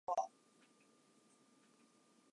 寿司ですか？